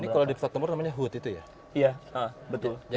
jadi kalau di pesawat temur namanya hud itu ya